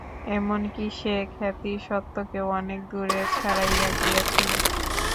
এমন-কি, সে খ্যাতি সত্যকেও অনেক দূরে ছাড়াইয়া গিয়াছিল।